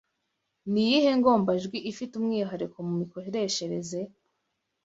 Ni iyihe ngombajwi ifite umwihariko mu mikoreshereze